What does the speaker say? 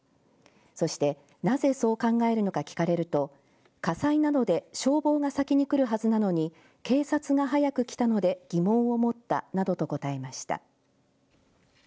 そして、なぜそう考えるのか聞かれると火災なので消防が先に来るはずなのに警察が早く来たので疑問を持ったなどと答えました。